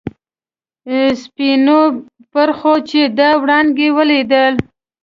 سپینو پرخو چې دا وړانګې ولیدلي.